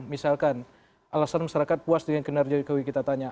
misalkan alasan masyarakat puas dengan kinerja jokowi kita tanya